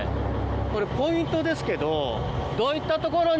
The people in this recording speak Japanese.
これポイントですけど。